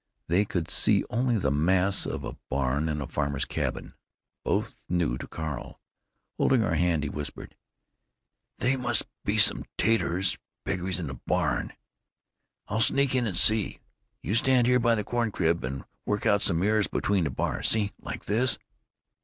They could see only the mass of a barn and a farmer's cabin, both new to Carl. Holding her hand, he whispered: "They must be some 'taters or 'beggies in the barn. I'll sneak in and see. You stand here by the corn crib and work out some ears between the bars. See—like this."